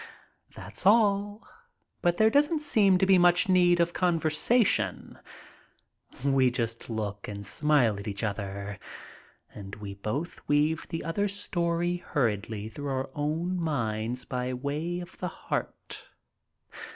That's all, but there doesn't seem to be much need of con versation. We just look and smile at each other and we both weave the other's story hurriedly through our own minds by way of the heart.